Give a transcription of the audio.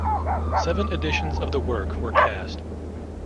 Seven editions of the work were cast.